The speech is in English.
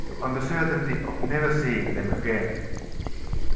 on the certainty of never seeing them again.